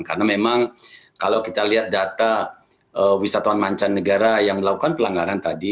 karena memang kalau kita lihat data wisatawan mancanegara yang melakukan pelanggaran tadi